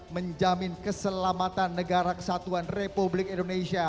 menjamin keselamatan negara kesatuan republik indonesia